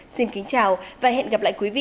xin kính chào và hẹn gặp lại quý vị